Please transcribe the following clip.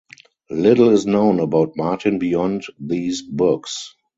Little is known about Martin beyond these books.